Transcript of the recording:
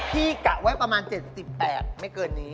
กะไว้ประมาณ๗๘ไม่เกินนี้